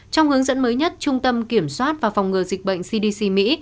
trong hướng dẫn mới nhất trung tâm kiểm soát và phòng ngừa dịch bệnh cdc mỹ